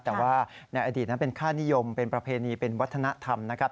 แต่ว่าในอดีตนั้นเป็นค่านิยมเป็นประเพณีเป็นวัฒนธรรมนะครับ